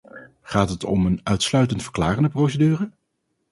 Gaat het om een uitsluitend verklarende procedure?